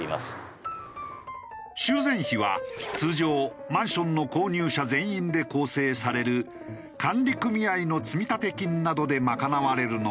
修繕費は通常マンションの購入者全員で構成される管理組合の積立金などで賄われるのだが。